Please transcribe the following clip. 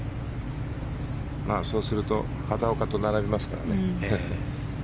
そうすると畑岡と並びますからね。